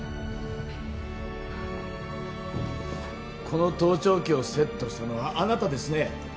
この盗聴器をセットしたのはあなたですね？